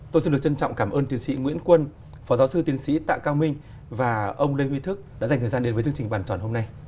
tôi xin được trân trọng cảm ơn tiến sĩ nguyễn quân phó giáo sư tiến sĩ tạ cao minh và ông lê huy thức đã dành thời gian đến với chương trình bàn tròn hôm nay